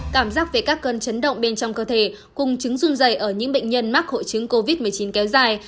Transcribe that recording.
cảm giác về các cơn chấn động bên trong cơ thể cùng chứng run dày ở những bệnh nhân mắc hội chứng covid một mươi chín kéo dài